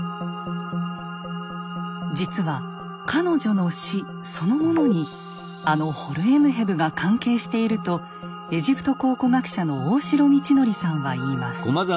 実は彼女の死そのものにあのホルエムヘブが関係しているとエジプト考古学者の大城道則さんは言います。